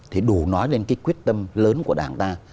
thì đủ nói lên cái quyết tâm lớn của đảng ta